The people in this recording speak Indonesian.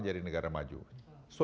jadi kamu harus bertahan